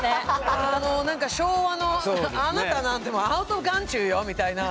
なんか昭和の「あなたなんてアウトオブ眼中よ」みたいな。